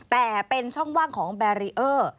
แต่เป็นช่องว่างของแบรีเออร์